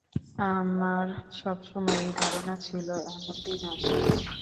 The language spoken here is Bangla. আমার সবসময়ই ধারণা ছিল এমন দিন আসবে।